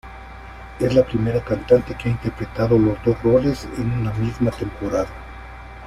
Es la primera cantante que ha interpretado los dos roles en la misma temporada.